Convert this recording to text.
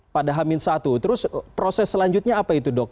pada hamin satu terus proses selanjutnya apa itu dok